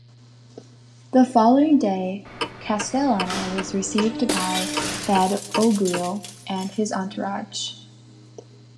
The following day Castellano was received by Badoglio and his entourage.